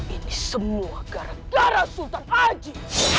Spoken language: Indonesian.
ini semua gara gara sultan haji